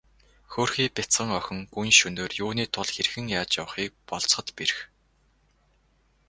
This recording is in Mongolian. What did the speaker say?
Хөөрхий бяцхан охин гүн шөнөөр юуны тул хэрхэн яаж явахыг болзоход бэрх.